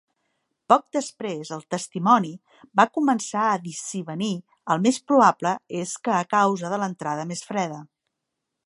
Poc després, el testimoni va començar a dissivenir, el més probable és que a causa de l'entrada més freda.